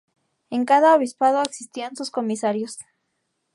En cada Obispado existían sus comisarios.